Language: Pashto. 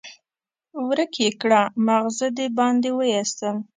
ورک يې کړه؛ ماغزه دې باندې واېستل.